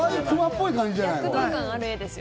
クマっぽい感じじゃないの？